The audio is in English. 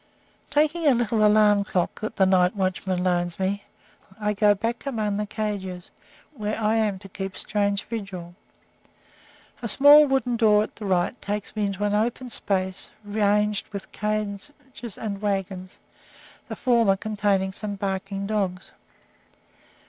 Taking a little alarm clock that the night watchman loans me, I go back among the cages, where I am to keep strange vigil. A small wooden door at the right takes me into an open space ranged with cages and wagons, the former containing some barking dogs.